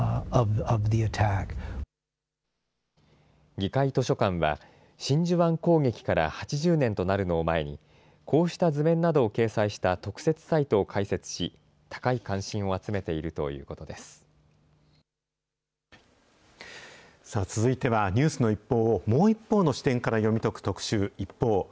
議会図書館は、真珠湾攻撃から８０年となるのを前に、こうした図面などを掲載した特設サイトを開設し、高い関心を集めさあ、続いてはニュースの一報をもう一方の視点から読み解く特集、ＩＰＰＯＵ。